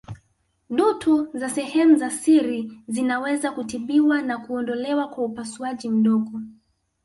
Dutu za sehemu za siri zinaweza kutibiwa na kuondolewa kwa upasuaji mdogo